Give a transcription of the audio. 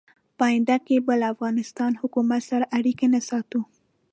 په آینده کې به له افغانستان حکومت سره اړیکې نه ساتو.